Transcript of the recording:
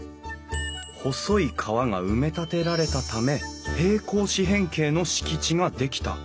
細い川が埋め立てられたため平行四辺形の敷地が出来た。